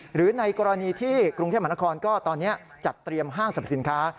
หรือในกรณีที่กรุงเทพมหานครก็ตอนนี้จัดเตรียมห้างสรรพสินค้า